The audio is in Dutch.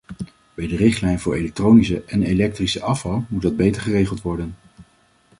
Bij de richtlijn voor elektronische en elektrische afval moet dat beter geregeld worden.